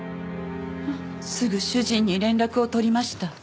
すぐ主人に連絡を取りました。